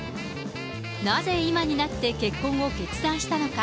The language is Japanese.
なぜ今になって結婚を決断したのか。